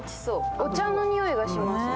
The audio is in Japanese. お茶の匂いがしますね。